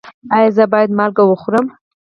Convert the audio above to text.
ایا زه باید مالګه وخورم؟